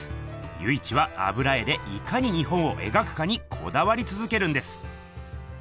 由一は「油絵でいかに日本を描くか？」にこだわりつづけるんです。